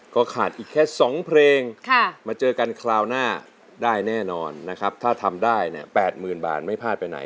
ก็ขาดอีกแค่๒เพลงมาเจอกันคราวหน้าได้แน่นอนนะครับถ้าทำได้เนี่ย๘๐๐๐บาทไม่พลาดไปไหน